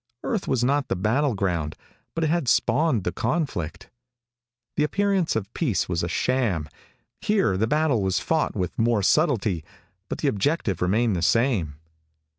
Earth was not the battle ground, but it had spawned the conflict. The appearance of peace was a sham. Here the battle was fought with more subtlety, but the objective remained the same.